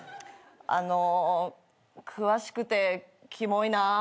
あの詳しくてキモいなぁ。